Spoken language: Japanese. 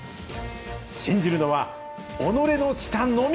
信じるのは己の舌のみ。